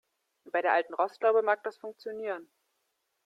Bei der alten Rostlaube mag das funktionieren.